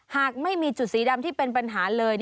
หากไม่มีจุดสีดำที่เป็นปัญหาเลย